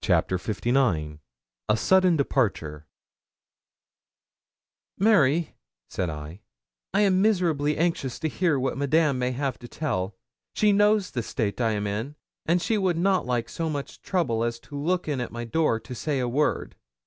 CHAPTER LIX A SUDDEN DEPARTURE 'Mary,' said I, 'I am miserably anxious to hear what Madame may have to tell; she knows the state I am in, and she would not like so much trouble as to look in at my door to say a word.